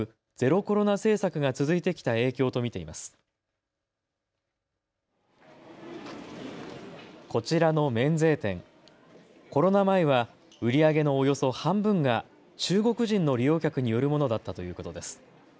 コロナ前は売り上げのおよそ半分が中国人の利用客によるものだったということです。